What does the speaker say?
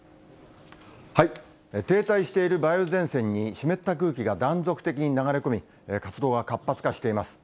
停滞している梅雨前線に湿った空気が断続的に流れ込み、活動が活発化しています。